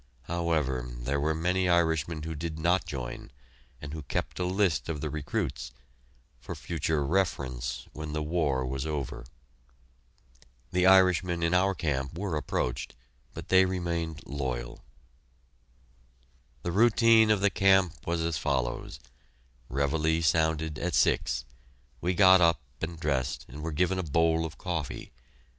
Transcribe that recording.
However, there were many Irishmen who did not join, and who kept a list of the recruits for future reference, when the war was over! The Irishmen in our camp were approached, but they remained loyal. The routine of the camp was as follows: Reveille sounded at six. We got up and dressed and were given a bowl of coffee.